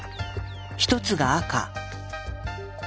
一つが赤。